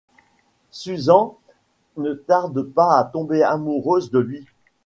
Susan ne tarde pas à tomber amoureuse de lui.